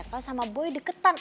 supaya mas be tidak mengizinkan dia